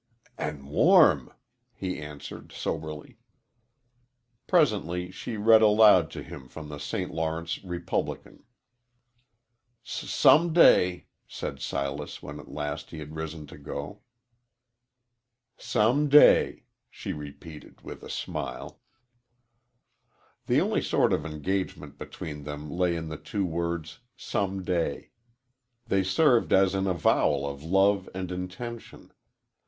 "An' w warm," he answered, soberly. Presently she read aloud to him from the St. Lawrence Republican. "S some day," said Silas, when at last he had risen to go. "Some day," she repeated, with a smile. The only sort of engagement between them lay in the two words "some day." They served as an avowal of love and intention.